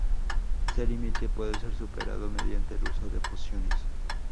Este límite puede ser superado mediante el uso de pociones.